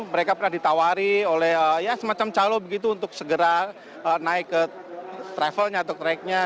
mereka pernah ditawari oleh semacam calon untuk segera naik ke travelnya atau tracknya